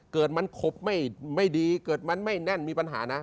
เกิดมันขบไม่ดีเกิดมันไม่แน่นมีปัญหานะ